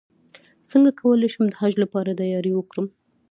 څنګه کولی شم د حج لپاره تیاری وکړم